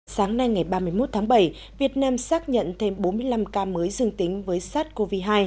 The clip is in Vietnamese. sáng nay ngày ba mươi một tháng bảy việt nam xác nhận thêm bốn mươi năm ca mới dương tính với sars cov hai